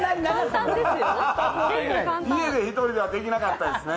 家で１人ではできなかったですね。